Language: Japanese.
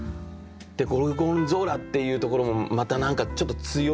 ゴルゴンゾーラっていうところもまた何かちょっと強い。